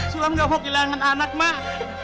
sulam gak mau kehilangan anak mak